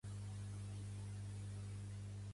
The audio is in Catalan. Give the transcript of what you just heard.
Perquè entenem que hi ha un perill de cop.